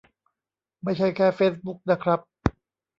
ไม่ใช่แค่เฟซบุ๊กนะครับ